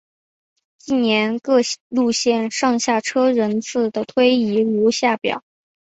近年各路线上下车人次的推移如下表。